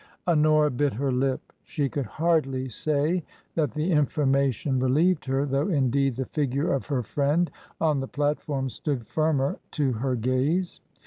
Honora bit her lip. She could hardly say that the information relieved her, though, indeed, the figure of her friend on the platform stood firmer to her gaze.